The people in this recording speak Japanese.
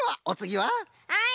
はい！